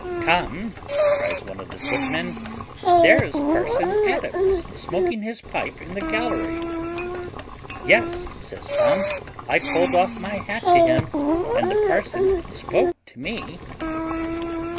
"Tom," cries one of the footmen, "there's parson Adams smoaking his pipe in the gallery." "Yes," says Tom; "I pulled off my hat to him, and the parson spoke to me."